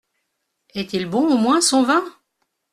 Est-il bon, au moins, son vin ?